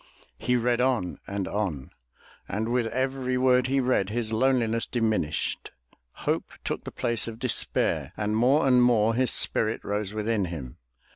He read on and on, and with every word he read, his loneliness diminished; hope took the place of despair and more and more his spirit rose within him.